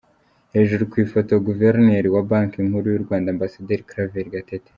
Hejuru ku ifoto : Guverineri wa Banki Nkuru y’u Rwanda Ambasaderi Claver Gatete.